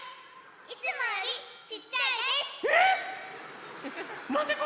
いつもよりちっちゃいです！